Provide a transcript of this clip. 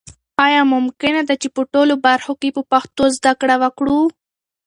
آیا ممکنه ده چې په ټولو برخو کې په پښتو زده کړه وکړو؟